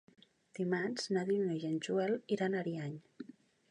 Dimarts na Dúnia i en Joel iran a Ariany.